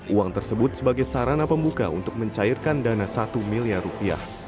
uang tersebut sebagai sarana pembuka untuk mencairkan dana satu miliar rupiah